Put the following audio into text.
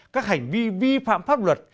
các hành vi vi phạm pháp luật